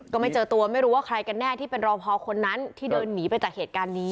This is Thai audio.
ก็ไม่เจอตัวไม่รู้ว่าใครกันแน่ที่เป็นรอพอคนนั้นที่เดินหนีไปจากเหตุการณ์นี้